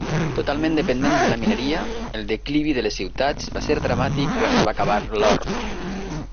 Totalment dependents de la mineria, el declivi de les ciutats va ser dramàtic quan es va acabar l'or.